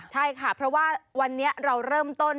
ใช่ค่ะเพราะว่าวันนี้เราเริ่มต้น